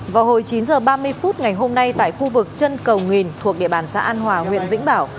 vào hồi chín h ba mươi phút ngày hôm nay tại khu vực chân cầu nghìn thuộc địa bàn xã an hòa huyện vĩnh bảo